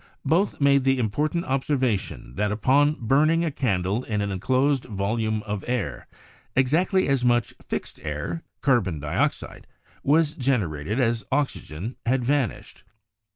Both made the important observation that, upon burning a candle in an enclosed volume of air, exactly as much ''fixed air" (carbon dioxide) was generated as oxygen had vanished.